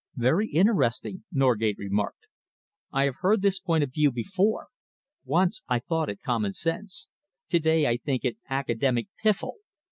"Very interesting," Norgate remarked. "I have heard this point of view before. Once I thought it common sense. To day I think it academic piffle.